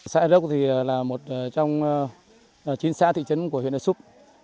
xã hà đốc là một trong chín xã thị trấn của huyện đà súc